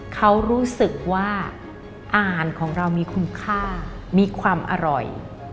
เขารู้สึกว่าอาหารของเรามีคุณค่ามีความอร่อย